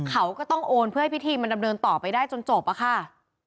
เขาก็ต้องโอนเพื่อให้พิธีมันดำเนินต่อไปได้จนจบอะค่ะ